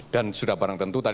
dan sudah barang tentu